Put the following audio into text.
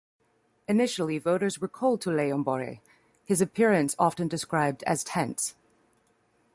Initially, voters were cold to Leijonborg, his appearance often described as tense.